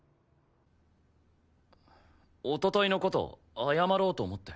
おとといの事謝ろうと思って。